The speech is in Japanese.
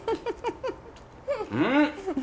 うん！